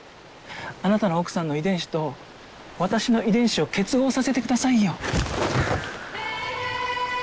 あなたの奥さんの遺伝子と私の遺伝子を結合させてくださいよ。